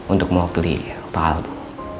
untuk mengopeli pak al bu